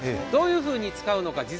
どういうふうに使うのか